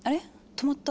止まった。